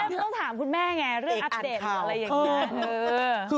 ไม่ต้องถามคุณแม่ไงเรื่องอัปเดตอะไรอย่างนี้